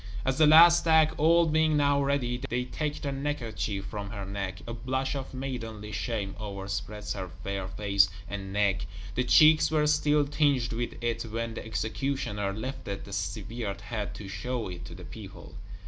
As the last act, all being now ready, they take the neckerchief from her neck, a blush of maidenly shame overspreads her fair face and neck; the cheeks were still tinged with it when the executioner lifted the severed head, to show it to the people.